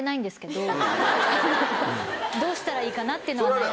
どうしたらいいかなっていうのが悩みで。